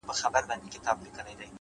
هڅاند زړونه ژر نه ستړي کېږي,